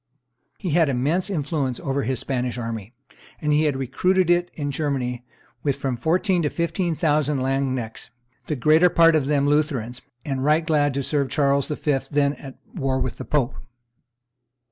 He had immense influence over his Spanish army; and he had recruited it in Germany with from fourteen to fifteen thousand lanzknechts, the greater part of them Lutherans, and right glad to serve Charles V., then at war with the pope.